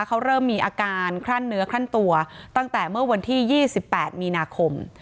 เขาเริ่มมีอาการคลั่นเนื้อคลั่นตัวตั้งแต่เมื่อวันที่๒๘มีนาคม